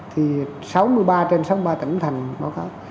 thì sáu mươi ba trên sáu mươi ba tỉnh thành báo cáo